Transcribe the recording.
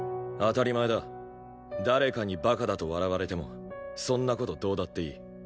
誰かにバカだと笑われてもそんな事どうだっていい。